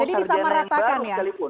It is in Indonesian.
jadi disamaratakan ya